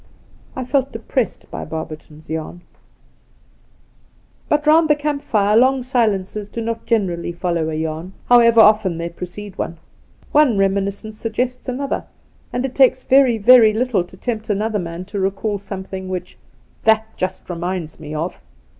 I felt depressed by Barberton's yarn. *M, ^ J^ JU •IP •TV Tt" ^V But round the , camp fire long silences do not generally follow a yarn, however often they pre cede one. One reminiscence suggests another, and it takes very, very little to tempt another man to recall something which 'that just reminds him of.'